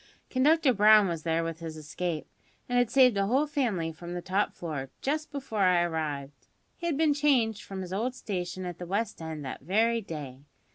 Conductor Brown was there with his escape, and had saved a whole family from the top floor, just before I arrived. He had been changed from his old station at the West End that very day.